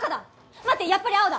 待ってやっぱり青だ！